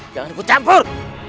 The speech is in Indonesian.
jangan ikut campur